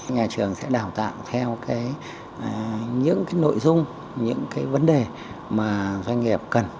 nhà trường sẽ đào tạo theo những nội dung những cái vấn đề mà doanh nghiệp cần